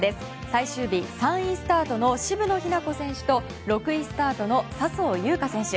最終日、３位スタートの渋野日向子選手と６位スタートの笹生優花選手。